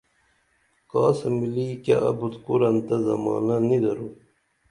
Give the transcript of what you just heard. کاسہ ملی کیہ ابُت کُرن تہ زمانہ نی درو